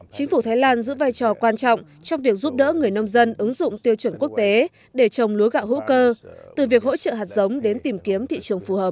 chính phủ thái lan giữ vai trò quan trọng trong việc giúp đỡ người nông dân ứng dụng tiêu chuẩn quốc tế để trồng lúa gạo hữu cơ từ việc hỗ trợ hạt giống đến tìm kiếm thị trường phù hợp